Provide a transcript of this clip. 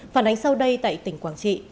phản ánh sau đây tại tỉnh quảng trị